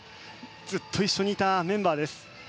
ずっと一緒にいたメンバーです。